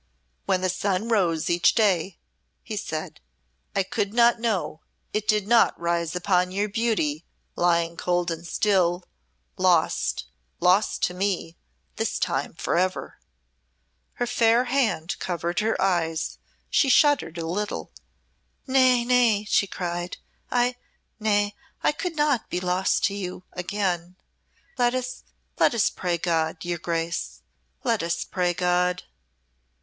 "When the sun rose each day," he said, "I could not know it did not rise upon your beauty, lying cold and still, lost lost to me this time, forever." Her fair hand covered her eyes, she shuddering a little. "Nay, nay," she cried. "I nay, I could not be lost to you again. Let us let us pray God, your Grace, let us pray God!"